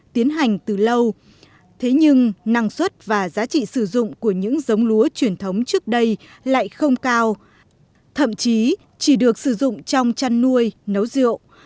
tiến hành từ lâu thế nhưng năng suất và giá trị sử dụng của những giống lúa truyền thống trước đây lại không cao thậm chí chỉ được sử dụng trong chăn nuôi nấu rượu